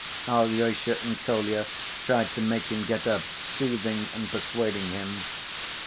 Alyosha and Kolya tried to make him get up, soothing and persuading him.